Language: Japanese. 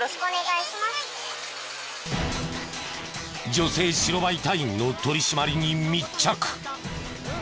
女性白バイ隊員の取り締まりに密着。